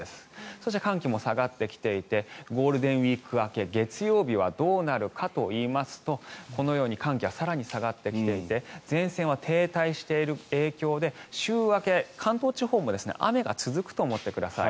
そして、寒気も下がってきていてゴールデンウィーク明け月曜日はどうなるかといいますとこのように寒気は更に下がってきていて前線は停滞している影響で週明け、関東地方も雨が続くと思ってください。